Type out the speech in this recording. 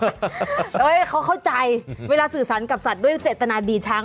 เฮ้ยเขาเข้าใจเวลาสื่อสรรค์กับสัตว์ด้วยเจตนาดีชั้น